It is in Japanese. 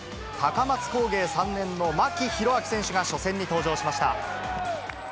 高松工芸３年の牧大晃選手が初戦に登場しました。